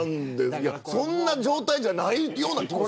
そんな状態じゃないような気もする。